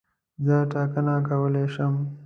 زه ټاکنه کولای شم.